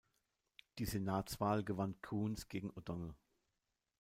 Die Senatswahl gewann Coons gegen O’Donnell.